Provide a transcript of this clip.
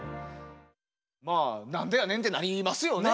まあ何でやねんってなりますよね。